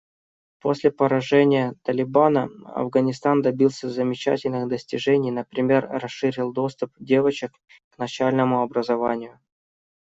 После поражения «Талибана» Афганистан добился замечательных достижений, например расширил доступ девочек к начальному образованию.